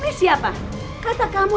mai ini dia mencurigamu